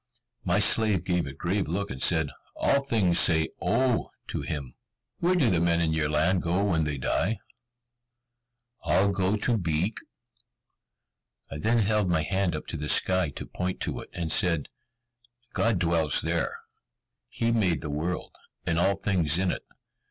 My slave gave a grave look, and said, "All things say 'O' to him." "Where do the men in your land go when they die?" "All go to Beek." I then held my hand up to the sky to point to it, and said, "God dwells there. He made the world, and all things in it.